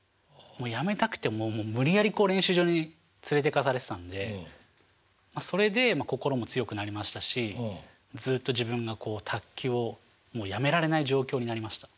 もうやめたくてももう無理やり練習場に連れていかされてたんでそれでまあ心も強くなりましたしずっと自分がこう卓球をもうやめられない状況になりました。